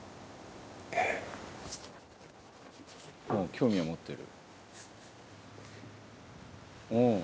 興味は持ってる。